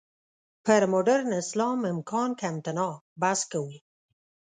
پر «مډرن اسلام، امکان که امتناع؟» بحث کوو.